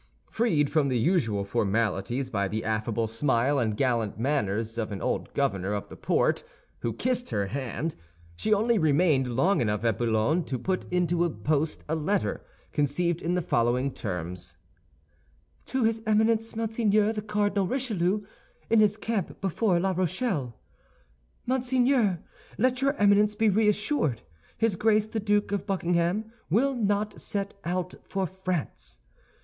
Freed from the usual formalities by the affable smile and gallant manners of an old governor of the port, who kissed her hand, she only remained long enough at Boulogne to put into the post a letter, conceived in the following terms: "To his Eminence Monseigneur the Cardinal Richelieu, in his camp before La Rochelle. "MONSEIGNEUR, Let your Eminence be reassured. His Grace the Duke of Buckingham will not set out for France.